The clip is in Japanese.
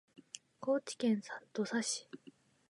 高知県土佐市